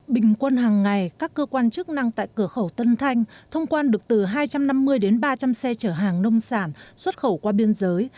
bình quân hàng ngày các cơ quan chức năng tại cửa khẩu tân thanh thông quan được từ hai trăm năm mươi đến ba trăm linh xe chở hàng nông sản xuất khẩu qua biên giới